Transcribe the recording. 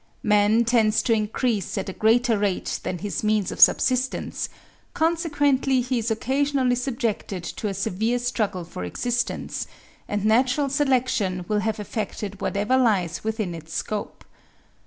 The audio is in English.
Man tends to increase at a greater rate than his means of subsistence; consequently he is occasionally subjected to a severe struggle for existence, and natural selection will have effected whatever lies within its scope.